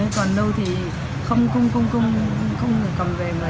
còn đâu thì không cầm về